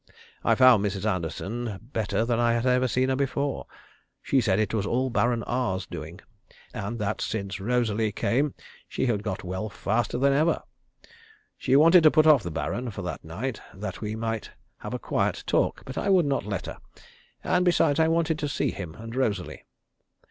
I found Mrs. Anderton better than I had ever seen her before. She said it was all Baron R's doing, and that since Rosalie came she had got well faster than ever. She wanted to put off the Baron for that night, that we might have a quiet talk, but I would not let her; and, besides, I wanted to see him and Rosalie.